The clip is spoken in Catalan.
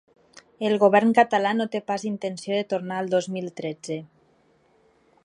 El govern català no té pas intenció de tornar al dos mil tretze.